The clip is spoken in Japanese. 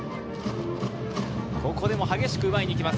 ここでも激しく奪いに来ます。